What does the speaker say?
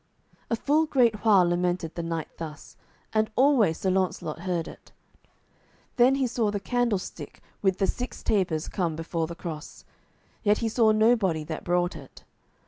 A full great while lamented the knight thus, and always Sir Launcelot heard it. Then he saw the candlestick with the six tapers come before the cross, yet he saw nobody that brought it.